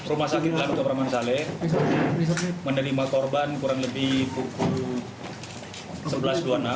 rumah sakit lamito praman saleh menerima korban kurang lebih pukul sebelas dua puluh enam